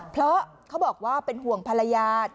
เพราะเขาบอกว่าเป็นห่วงภรรยา